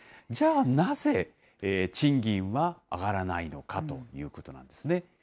じゃあ、なぜ、賃金は上がらないのかということなんですね。